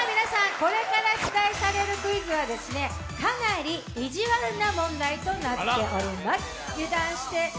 これから出題されるクイズは、かなり意地悪な問題となっております。